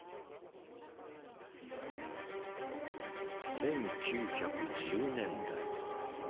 １９１０年代。